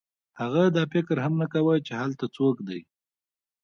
هغه دا فکر هم نه کاوه چې هلته څوک دی